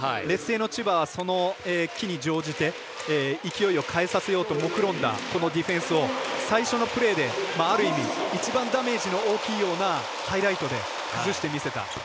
劣勢の千葉はその機に乗じて勢いを変えさせようともくろんだこのディフェンスを最初のプレーである意味、一番ダメージの大きいようなハイライトで崩してみせた。